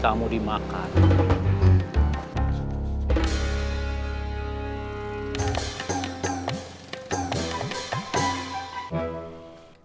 kamu lihat yang dua